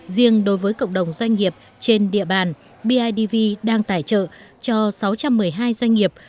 riêng đối với cộng đồng doanh nghiệp trên địa bàn bidv đang tài trợ cho sáu trăm một mươi hai doanh nghiệp